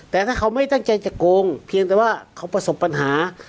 แต่ถ้าเขาไม่ตั้งใจจะโกงเพียงแต่ว่าเขาประสบปัญหา